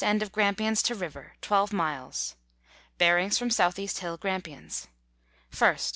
end of Grampians to River, 12 miles. Bearings from S.E. Hill, Grampians. 1st.